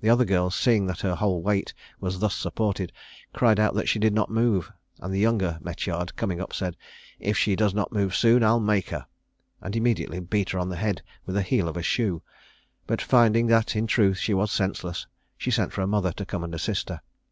The other girls, seeing that her whole weight was thus supported, cried out that she did not move; and the younger Metyard coming up, said, "If she does not move soon, I'll make her," and immediately beat her on the head with the heel of a shoe; but finding that in truth she was senseless, she sent for her mother to come and assist her.